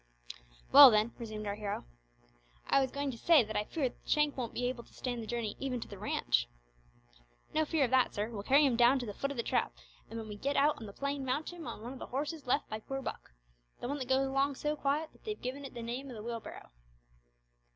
"Well, then," resumed our hero, "I was going to say that I fear Shank won't be able to stand the journey even to the ranch." "No fear of that, sir. We'll carry him down to the foot o' the Trap, an' when we git out on the plain mount him on one o' the horses left by poor Buck the one that goes along so quiet that they've given it the name o' the Wheelbarrow."